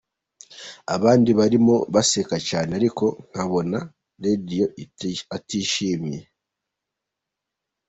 Abandi barimo baseka cyane ariko nkabona Radio atishimye.